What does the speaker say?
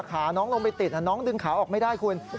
ขาน้องลงไปติดน้องดึงขาออกไม่ได้คุณ